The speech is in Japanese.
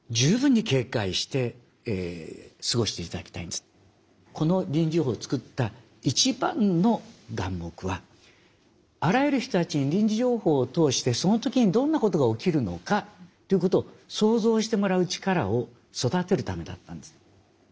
ですからこの臨時情報を作った一番の眼目はあらゆる人たちに臨時情報を通してその時にどんなことが起きるのかということを想像してもらう力を育てるためだったんです。